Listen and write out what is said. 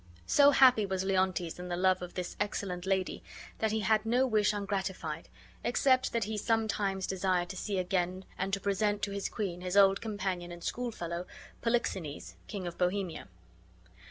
So happy was Leontes in the love of this excellent lady that he had no wish ungratified, except that he some times desired to see again and to present to his queen his old companion and schoolfellow, Polixenes, King of Bohemia.